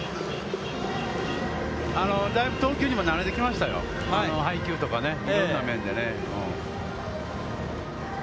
大分投球にもなれてきましたよ、配球とか、いろんな面でね。